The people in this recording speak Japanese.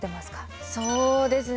そうですね